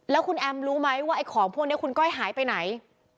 แล้วคุณแอมรู้ไหมว่าไอ้ของพวกนี้คุณก้อยหายไปไหน